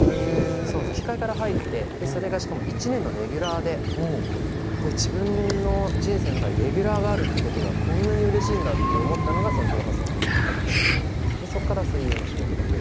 吹き替えから入ってそれが１年のレギュラーで自分の人生の中でレギュラーがあるということがこんなにうれしいんだと思ったのが１８歳の時がきっかけでそこから声優の仕事が増えて。